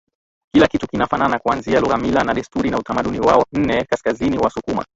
kila kitu kinafanana kuanzia lughamila na desturi na utamaduni wao Nne KaskaziniWasukuma